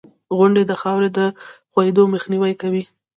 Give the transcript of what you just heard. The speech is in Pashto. • غونډۍ د خاورې د ښویېدو مخنیوی کوي.